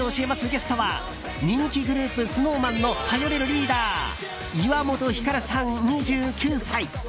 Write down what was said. ゲストは人気グループＳｎｏｗＭａｎの頼れるリーダー岩本照さん、２９歳。